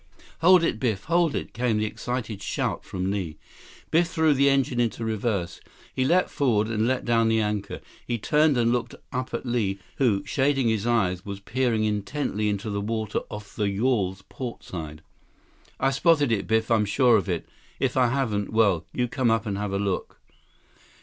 "Hold it, Biff! Hold it!" came the excited shout from Li. Biff threw the engine into reverse. He leaped forward and let down the anchor. He turned and looked up at Li, who, shading his eyes, was peering intently into the water off the yawl's portside. "I've spotted it, Biff. I'm sure of it. If I haven't, well—you come up and take a look."